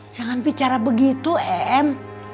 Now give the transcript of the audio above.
jangan bicara begitu em